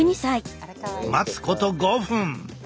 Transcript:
待つこと５分。